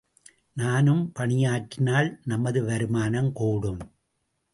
நானும் பணியாற்றினால், நமது வருமானம் கூடும்.